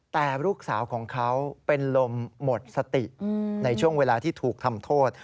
แต่ลูกสาวของเขาเป็นลมหมดสติในช่วงเวลาที่ถูกทำโทษ